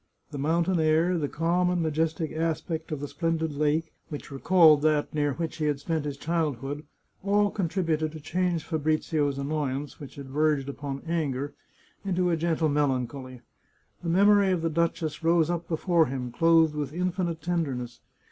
The mountain air, the calm and majestic aspect of the splendid lake, which recalled that near which he had spent his childhood, all contributed to change Fa brizio's annoyance, which had verged upon anger, into a gentle melancholy. The memory of the duchess rose up before him, clothed with infinite tenderness.